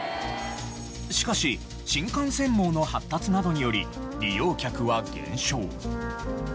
しかし新幹線網の発達などにより利用客は減少。